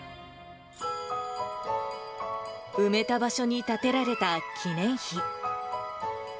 埋めた場所に建てられた記念碑。